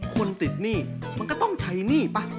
คนติดหนี้มันก็ต้องใช้หนี้ป่ะ